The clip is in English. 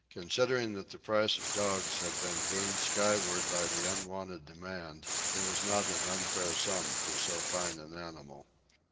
Considering that the price of dogs had been boomed skyward by the unwonted demand, it was not an unfair sum for so fine an animal.